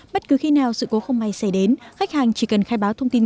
bất cứ khi nào sự cố không may xảy đến khách hàng chỉ cần khai báo thông tin